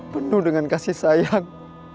penuh dengan kasih sayang